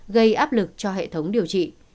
gây áp lực cho hệ thống điều trị